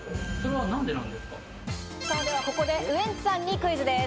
では、ここでウエンツさんにクイズです。